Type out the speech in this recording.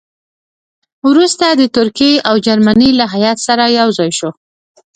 وروسته د ترکیې او جرمني له هیات سره یو ځای شو.